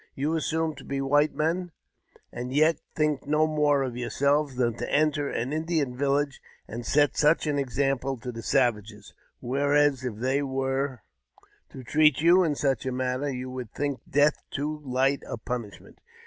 You assume to be white men, and yet think no more of yourselves than to enter an Indian village ind set such an example to the savages ; whereas, if they were 14 210 AUTOBIOGBAPHY OF to treat you in such a manner, you would think death too light a punishment.